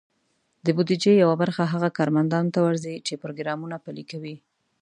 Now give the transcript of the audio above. د بودیجې یوه برخه هغه کارمندانو ته ورځي، چې پروګرامونه پلي کوي.